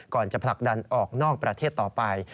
จะผลักดันออกนอกประเทศต่อไป